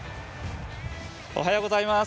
おはようございます。